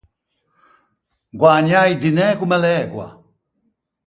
Guägnâ i dinæ comme l’ægua.